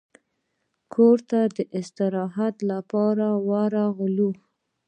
کور ته د استراحت لپاره راغلو.